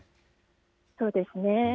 そうですね。